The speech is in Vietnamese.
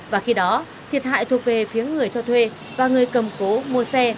và khi đó thiệt hại thuộc về phía người cho thuê và người cầm cố mua xe